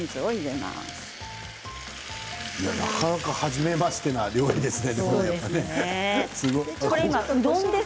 なかなか、はじめましてなお料理ですね。